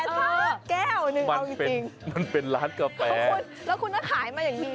แล้วคุณก็ขายมาอย่างนี้เลยว่ากาแฟร้อนอร่อย